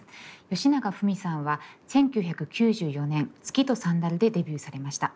よしながふみさんは１９９４年「月とサンダル」でデビューされました。